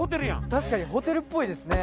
確かにホテルっぽいですね